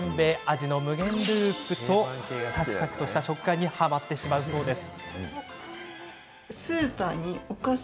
味の無限ループとサクサクとした食感にはまってしまうそうです。